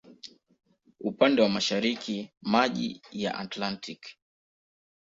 Upande wa mashariki maji ya Atlantiki.